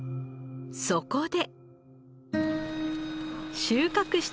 そこで。